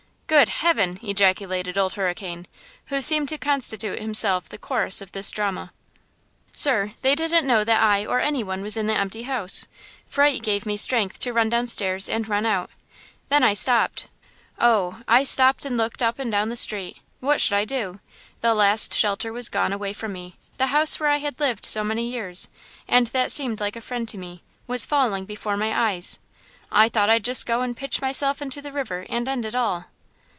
"Good Heaven!" ejaculated Old Hurricane, who seemed to constitute himself the chorus of this drama. "Sir, they didn't know that I or any one was in the empty house! Fright gave me strength to run down stairs and run out. Then I stopped. Oh! I stopped and looked up and down the street. What should I do? The last shelter was gone away from me–the house where I had lived so many years, and that seemed like a friend to me, was falling before my eyes! I thought I'd just go and pitch myself into the river and end it all!"